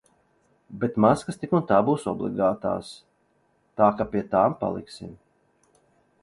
Bet maskas tik un tā būs obligātās, tā ka pie tām paliksim.